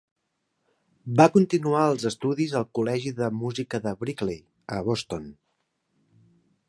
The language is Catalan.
Va continuar els estudis al Col·legi de Música de Berklee, a Boston.